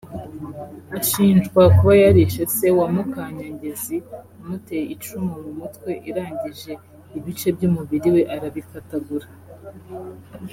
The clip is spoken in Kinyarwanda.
ashinjwa kuba yarishe se wa Mukanyangezi amuteye icumu mu mutwe irangije ibice by’umubiri we arabikatagura